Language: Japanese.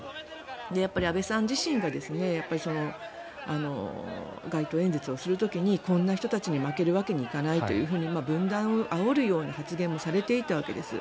やっぱり安倍さん自身が街頭演説をする時にこんな人たちに、負けるわけにいかないというふうに分断をあおるような発言もされていたわけです。